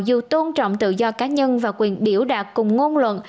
dù tôn trọng tự do cá nhân và quyền biểu đạt cùng ngôn luận